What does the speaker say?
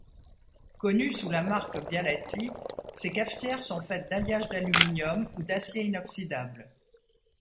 Connues sous la marque Bialetti, ces cafetières sont faites d'alliage d'aluminium ou d'acier inoxydable.